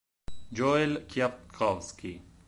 Joel Kwiatkowski